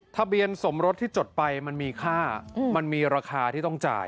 ทะเบียนสมรสที่จดไปมันมีค่ามันมีราคาที่ต้องจ่าย